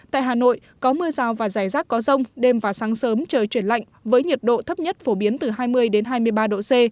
tại hà nội có mưa rào và rải rác có rông đêm và sáng sớm trời chuyển lạnh với nhiệt độ thấp nhất phổ biến từ hai mươi hai mươi ba độ c